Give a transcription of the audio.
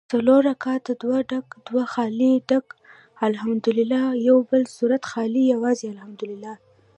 څلور رکعته دوه ډک دوه خالي ډک الحمدوالله او یوبل سورت خالي یوازي الحمدوالله